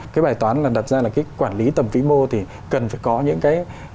cái bài toán là đặt ra là cái quản lý tầm vĩ mô thì cần phải có những cái